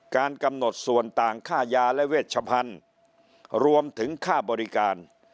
การกำหนดส่วนต่างค่ายาและเวชพันธุ์รวมถึงค่าบริการ